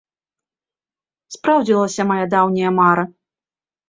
Спраўдзілася мая даўняя мара.